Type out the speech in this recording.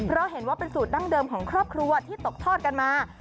เพราะเห็นว่าเป็นสูตรดั้งเดิมของครอบครัวที่ตกทอดกันมา